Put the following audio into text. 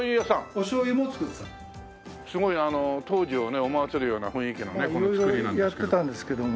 すごい当時を思わせるような雰囲気のねこの造りなんですけど。